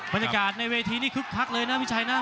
บรรยากาศในเวทีนี้คึกเลยนะบิญชัยนะ